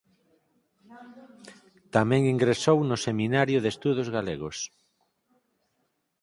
Tamén ingresou no Seminario de Estudos Galegos.